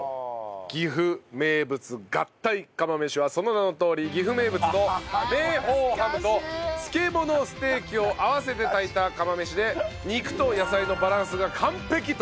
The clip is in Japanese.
岐阜名物合体釜飯はその名のとおり岐阜名物の明宝ハムと漬物ステーキを合わせて炊いた釜飯で肉と野菜のバランスが完璧と。